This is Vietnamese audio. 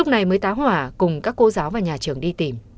cháu bé đã xá hỏa cùng các cô giáo và nhà trường đi tìm